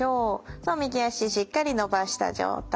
そう右脚しっかり伸ばした状態。